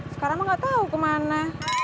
sekarang mah gak tau kemana